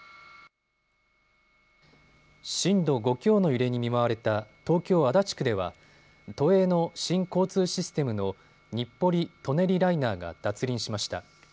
震度５強の揺れに見舞われた東京足立区では都営の新交通システムの日暮里・舎人ライナーが脱輪しました。